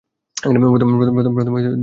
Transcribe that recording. প্রথম দুই বলে কোন রান নিতে পারেননি।